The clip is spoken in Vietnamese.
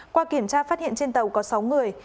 qua kiểm tra phát hiện trên tàu có sáu người